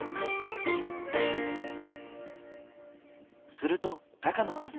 すると高野さん